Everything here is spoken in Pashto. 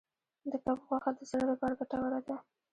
د کب غوښه د زړه لپاره ګټوره ده.